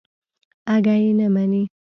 اگه يې نه مني.